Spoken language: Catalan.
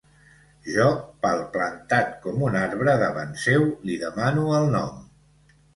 Jo, palplantat com un arbre davant seu, li demano el nom.